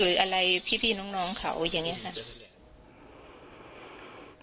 หรืออะไรพี่น้องเขาอย่างนี้ค่ะ